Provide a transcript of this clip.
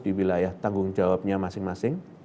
di wilayah tanggung jawabnya masing masing